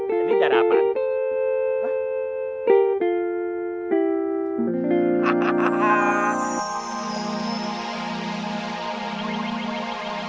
ini darah apaan